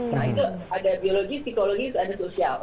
nah itu ada biologi psikologis ada sosial